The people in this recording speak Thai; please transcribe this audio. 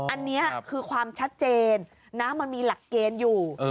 อันนี้คือความชัดเจนนะมันมีหลักเกณฑ์อยู่